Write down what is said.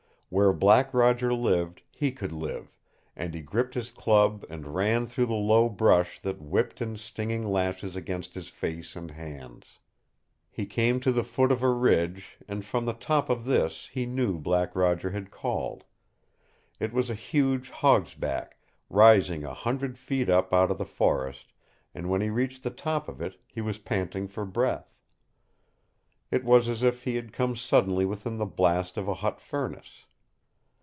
Where Black Roger lived, he could live, and he gripped his club and ran through the low brush that whipped in stinging lashes against his face and hands. He came to the foot of a ridge, and from the top of this he knew Black Roger had called. It was a huge hog's back, rising a hundred feet up out of the forest, and when he reached the top of it, he was panting for breath. It was as if he had come suddenly within the blast of a hot furnace.